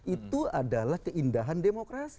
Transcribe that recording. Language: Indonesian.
itu adalah keindahan demokrasi